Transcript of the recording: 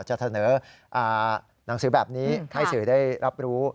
จะเสนอหนังสือแบบนี้ให้สื่อได้รับรู้